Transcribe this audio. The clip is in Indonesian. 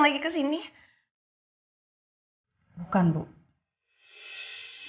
tante itu kartu yang juga penting